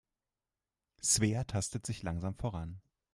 Svea tastet sich langsam voran.